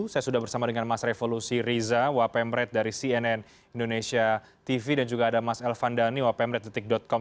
saya sudah bersama dengan mas revolusi riza wapemret dari cnn indonesia tv dan juga ada mas elvan dhani wapemret detik com